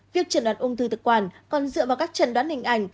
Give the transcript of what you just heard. việc chẩn đoán ung thư thực quản còn dựa vào các trần đoán hình ảnh